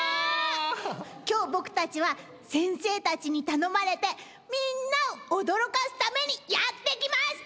今日僕たちは先生たちに頼まれてみんなを驚かすためにやって来ました！